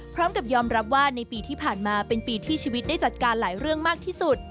พร้อมกับยอมรับว่าในปีที่ผ่านมาเป็นปีที่ชีวิตได้จัดการหลายเรื่องมากที่สุด